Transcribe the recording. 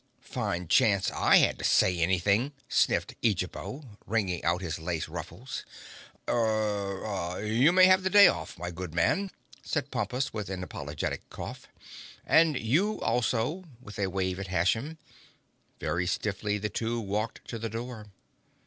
"Fine chance I had to say anything!" sniffed Eejabo, wringing out his lace ruffles. "Eh—rr—you may have the day off, my good man," said Pompus, with an apologetic cough—"And you also," with a wave at Hashem. Very stiffly the two walked to the door.